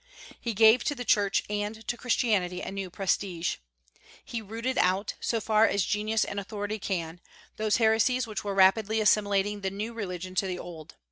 He gave to the Church and to Christianity a new prestige. He rooted out, so far as genius and authority can, those heresies which were rapidly assimilating the new religion to the old.